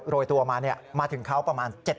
โรยตัวมามาถึงเขาประมาณ